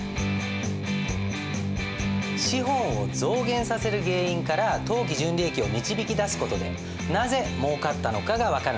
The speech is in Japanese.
資本を増減させる原因から当期純利益を導き出す事でなぜもうかったのかが分かるんです。